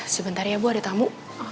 sebentar ya bu ada tamu